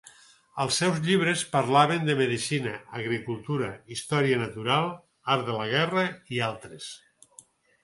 Els seus llibres parlaven de medicina, agricultura, història natural, art de la guerra i altres.